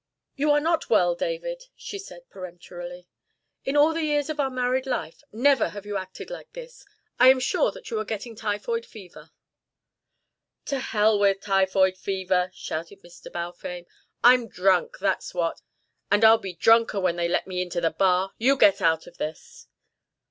"You are not well, David," she said peremptorily. "In all the years of our married life never have you acted like this. I am sure that you are getting typhoid fever " "To hell with typhoid fever!" shouted Mr. Balfame. "I'm drunk, that's what. And I'll be drunker when they let me into the bar. You get out of this."